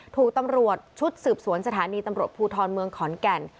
ถูกตำรวจชุดสืบสวนสถานีตำรวจภูทรเมืองขอนแก่น